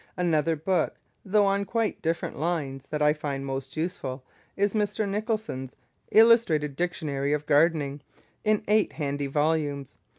Another book, though on quite different lines, that I find most useful is Mr. Nicholson's "Illustrated Dictionary of Gardening," in eight handy volumes.